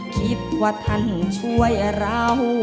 คิดว่าท่านช่วยเรา